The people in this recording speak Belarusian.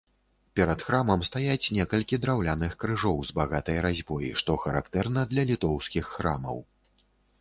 Перад храмам стаяць некалькі драўляных крыжоў з багатай разьбой, што характэрна для літоўскіх храмаў.